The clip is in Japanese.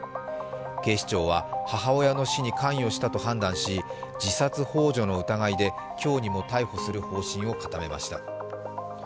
警視庁は、母親の死に関与したと判断し自殺幇助の疑いで今日にも逮捕する方針を固めました。